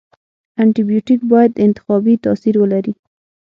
انټي بیوټیک باید انتخابي تاثیر ولري.